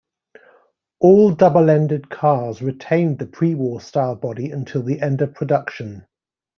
All double ended cars retained the pre-war style body until the end of production.